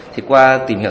thì qua tìm hiểu